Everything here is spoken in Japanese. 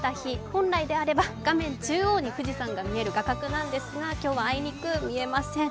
本来であれば画面中央に富士山が見える画角なんですが今日はあいにく見えません。